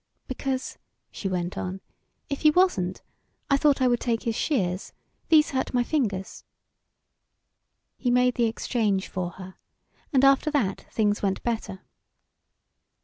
"Because," she went on, "if he wasn't, I thought I would take his shears. These hurt my fingers." He made the exchange for her and after that things went better.